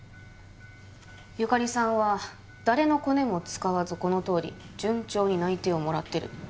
由加里さんは誰のコネも使わずこのとおり順調に内定をもらってる。